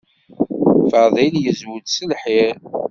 Fadil yezweǧ s lḥir.